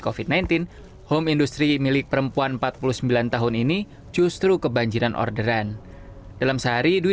covid sembilan belas home industry milik perempuan empat puluh sembilan tahun ini justru kebanjiran orderan dalam sehari dwi